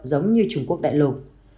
giống như trung quốc đại lục